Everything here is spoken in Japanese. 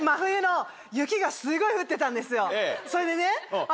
それでね私。